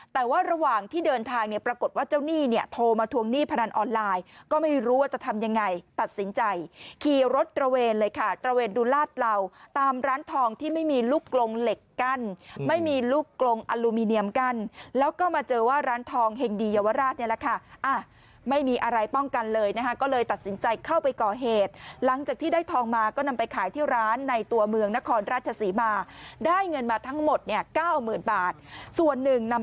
แต่ว่าระหว่างที่เดินทางเนี่ยปรากฏว่าเจ้าหนี้เนี่ยโทรมาทวงหนี้พนันออนไลน์ก็ไม่รู้ว่าจะทำยังไงตัดสินใจขี่รถตระเวนเลยค่ะตระเวนดูลาดเหล่าตามร้านทองที่ไม่มีลูกกลงเหล็กกั้นไม่มีลูกกลงอลูมิเนียมกั้นแล้วก็มาเจอว่าร้านทองแห่งดีเยาวราชเนี่ยแหละค่ะไม่มีอะไรป้องกันเลยนะฮะก็เลยตัดสิ